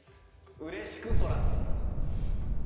うれしく反らす。